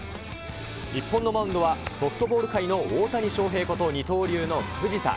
日本のマウンドは、ソフトボール界の大谷翔平こと、二刀流の藤田。